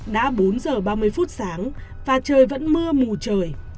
đã bốn giờ ba mươi phút sáng và trời vẫn mưa mù trời